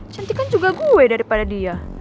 cantik kan juga gue daripada dia